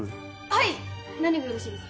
はい何がよろしいですか？